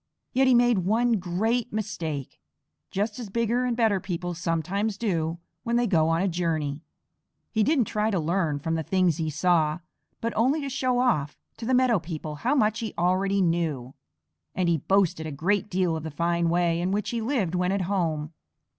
Yet he made one great mistake, just as bigger and better people sometimes do when they go on a journey; he didn't try to learn from the things he saw, but only to show off to the meadow people how much he already knew, and he boasted a great deal of the fine way in which he lived when at home.